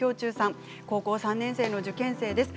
高校３年生の受験生です。